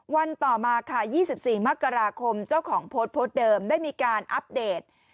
วันต่อมาค่ะ๒๔มกราคมเจ้าของโพสต์โพสต์เดิมได้มีการอัปเดต